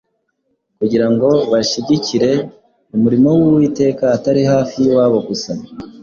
kugira ngo bashigikire umurimo w’Uwiteka atari hafi y’iwabo gusa